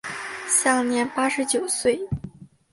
享年八十九岁。